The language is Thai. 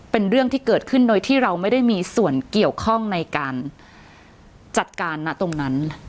เป็นเรื่องที่เกิดขึ้นโดยที่เราไม่ได้มีส่วนเกี่ยวข้องในการจัดการนะตรงนั้น